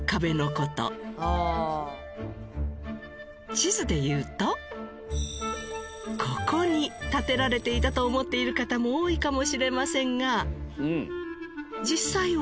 地図でいうとここに建てられていたと思っている方も多いかもしれませんが実際は。